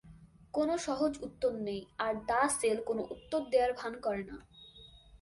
কোন সহজ উত্তর নেই, আর "দ্য সেল" কোন উত্তর দেয়ার ভান করে না।